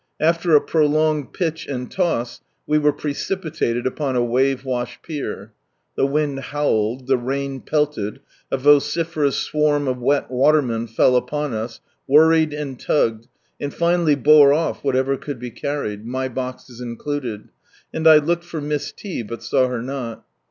After a prolonged pitch and loss, we were precipitated upon a wave washed pier. The wind howled, the rain pelted, a vociferous swarm of wet watermen fell upon us, worried and tugged, and finally bore off whatever could be carried^ray boxes included— and I looked for Miss T, but saw her not.